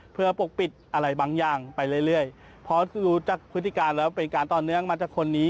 เพื่อปกปิดอะไรบางอย่างไปเรื่อยเพราะรู้จากพฤติการแล้วเป็นการต่อเนื่องมาจากคนนี้